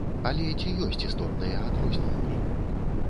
Але ці ёсць істотныя адрозненні?